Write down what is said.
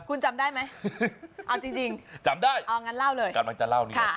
คุณจำได้ไหมเอาจริงจำได้อ๋องั้นเล่าเลยกำลังจะเล่านี้เลย